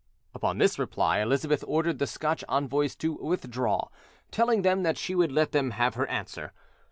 Upon this reply, Elizabeth ordered the Scotch envoys to withdrew, telling them that she would let them have her answer.